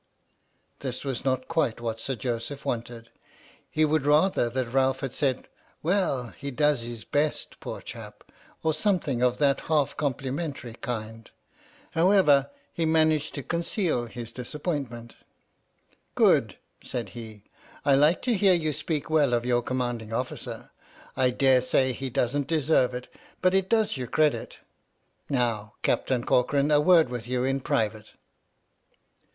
" This was not quite what Sir Joseph wanted. He would rather that Ralph had said, "Well, he does his best, poor chap," or something of that half com plimentary kind. However, he managed to conceal his disappointment. " Good," said he, " I like to hear you speak well of your commanding officer. I dare say he doesn't deserve it, but it does you credit. Now, Captain Corcoran, a word with you in private."